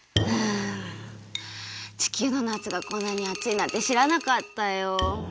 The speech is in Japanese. はあ地球のなつがこんなにあついなんてしらなかったよ。